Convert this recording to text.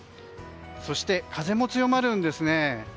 そして、風も強まるんですね。